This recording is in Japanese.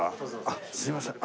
あっすいません。